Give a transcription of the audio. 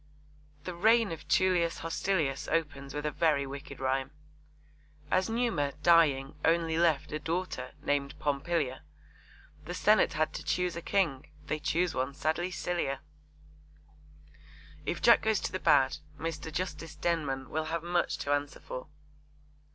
The reign of Tullius Hostilius opens with a very wicked rhyme: As Numa, dying, only left A daughter, named Pompilia, The Senate had to choose a King. They choose one sadly sillier. If Jack goes to the bad, Mr. Justice Denman will have much to answer for.